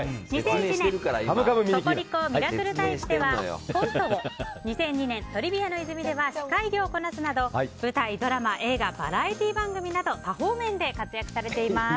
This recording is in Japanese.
２００１年「ココリコミラクルタイプ」ではコントを２００２年「トリビアの泉」では司会業をこなすなど舞台、ドラマ、映画バラエティー番組など多方面で活躍されています。